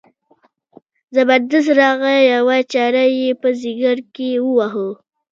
زبردست راغی یوه چاړه یې په ځګر کې وواهه.